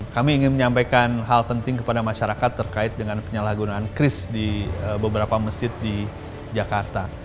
kami ingin menyampaikan hal penting kepada masyarakat terkait dengan penyalahgunaan kris di beberapa masjid di jakarta